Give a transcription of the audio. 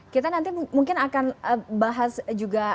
kita nanti mungkin akan bahas juga